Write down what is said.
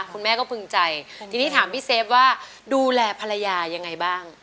คุณแม่ก็พึงใจทีนี้ถามพี่เซฟว่าดูแลภรรยายังไงบ้าง